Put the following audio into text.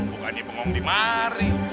bukannya bengong di mari